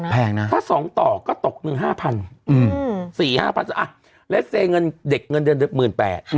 แพงนะถ้าสองต่อก็ตกหนึ่ง๕๐๐๐อืม๔๕๐๐๐และเซเงินเด็กเงินเดือนเปลือนแปด